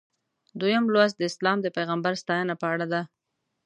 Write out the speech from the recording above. دویم لوست د اسلام د پیغمبر ستاینه په اړه دی.